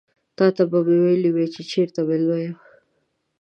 تاته به مې ويلي وي چې چيرته مېلمه یم.